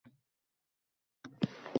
qishloqdagi qizlar qishda pechkada suv isitib